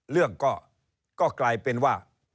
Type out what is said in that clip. เรื่องก็กลายเป็นว่า